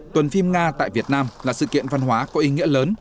tuần phim nga tại việt nam là sự kiện văn hóa có ý nghĩa lớn